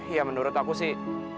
ya menurut aku sih